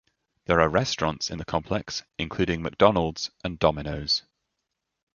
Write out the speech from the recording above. There are restaurants in the complex including McDonald's and Domino's.